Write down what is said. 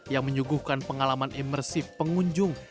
yang menyuguhkan pengalaman imersif pengunjung